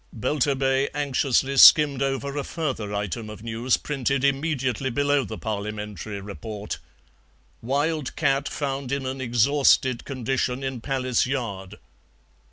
Belturbet anxiously skimmed over a further item of news printed immediately below the Parliamentary report: "Wild cat found in an exhausted condition in Palace Yard."